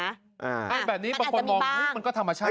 อ้างแบบนี้บางคนมองมันก็ธรรมชาติ